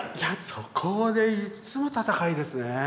そこはねいっつも闘いですね。